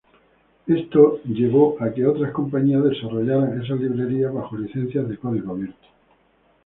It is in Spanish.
Esto llevó a que otras compañías desarrollaran esas librerías bajo licencias de código abierto.